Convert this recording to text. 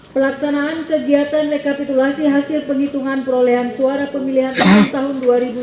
pelaksanaan kegiatan rekapitulasi hasil penghitungan perolehan suara pemilihan umum tahun dua ribu sembilan belas